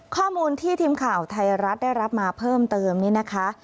ข้อมูลที่ทีมข่าวไทยรัฐได้รับมาเพิ่มเติมนี้นะคะ